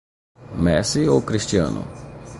Messi ou Cristiano?